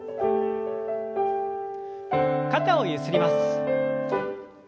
肩をゆすります。